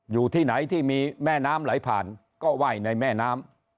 อยู่ที่ไหนที่มีแม่น้ำไหลผ่านก็ไหว้ในแม่น้ำ